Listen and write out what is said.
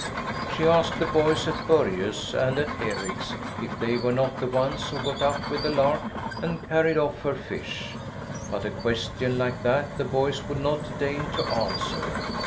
She asked the boys at Börje's and at Eric's if they were not the ones who got up with the lark and carried off her fish. But a question like that the boys would not deign to answer.